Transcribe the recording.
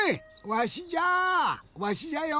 わしじゃよ。